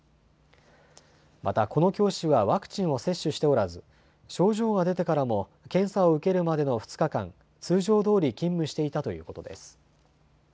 またこの教師はワクチンを接種しておらず症状が出てからも検査を受けるまでの２日間、通常どおり勤務していたということです。